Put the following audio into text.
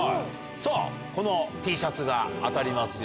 さぁこのＴシャツが当たりますよ